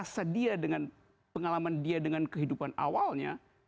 rasa dia dengan pengalaman dia dengan kehidupan awalnya